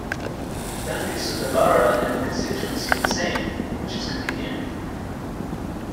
The boundaries of the borough and the constituency are the same, which is convenient.